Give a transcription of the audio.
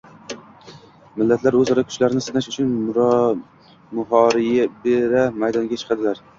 millatlar o‘zaro kuchlarini sinash uchun muhoriba maydoniga chiqadilar.